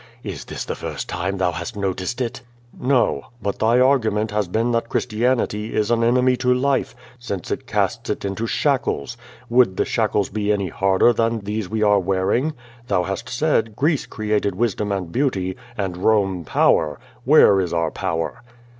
"Is this the first time thou hast noticed it?" "No. lUit thy argument has been that Christianity is an enemy to life, since it casts it into shackles. Would the shackles be any harder than these we are wearing? Thou hast said, ^Greece created wisdom and beauty, and Rome power.' Where is our power?"